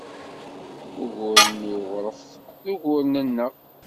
Uguren n uɣref d uguren-nneɣ.